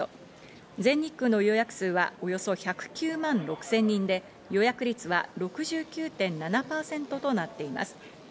全日空の予約数はおよそ１０９万６０００人で、予約率は６９．７％となっています。